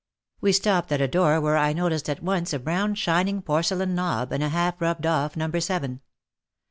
We stopped at a door where I noticed at once a brown shining porcelain knob and a half rubbed off number seven.